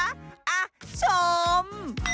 อะชม